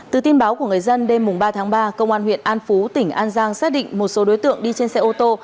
từ tin báo của người dân đêm ba tháng ba công an huyện an phú tỉnh an giang xác định một số đối tượng đi trên xe ô tô